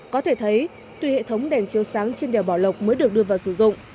có thể thấy tuy hệ thống đèn chiếu sáng trên đèo bảo lộc mới được đưa vào sử dụng